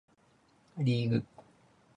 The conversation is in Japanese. リーグ